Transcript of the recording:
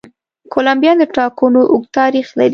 کولمبیا د ټاکنو اوږد تاریخ لري.